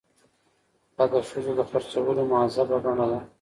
دا د ښځو د خرڅولو مهذبه بڼه ده.